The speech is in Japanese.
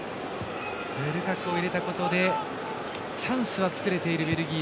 ルカクを入れたことでチャンスは作れているベルギー。